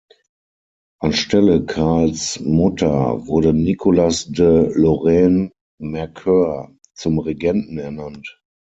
Anstelle Karls Mutter wurde Nicolas de Lorraine-Mercœur zum Regenten ernannt.